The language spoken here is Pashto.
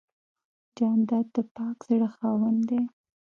جانداد د پاک زړه خاوند دی.